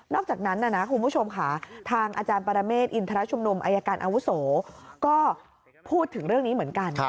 อกจากนั้นนะคุณผู้ชมค่ะทางอาจารย์ปรเมฆอินทรชุมนุมอายการอาวุโสก็พูดถึงเรื่องนี้เหมือนกัน